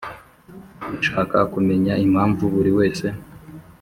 ushaka kumenya impamvu buriwese